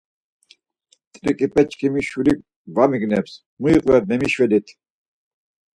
T̆rik̆epeçkimi şurik va migneps, mu iqven memişvelit.